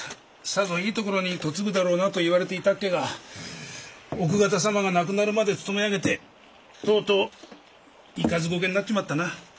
さぞいいところに嫁ぐだろうなと言われていたっけが奥方様が亡くなるまで勤め上げてとうとう行かず後家になっちまったな。